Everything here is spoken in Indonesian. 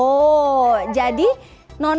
oh jadi nono itu belajar dari nona